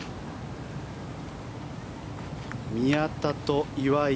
宮田と岩井